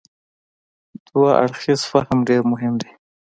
دوه اړخیز فهم ډېر مهم دی.